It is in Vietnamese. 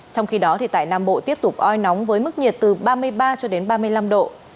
trong khi đó tại nam bộ tiếp tục oi nóng với mức nhiệt từ ba mươi ba cho đến ba mươi năm độ